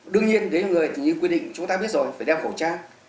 đương nhiên đến chỗ đông người thì như quy định chúng ta biết rồi phải đeo khẩu trang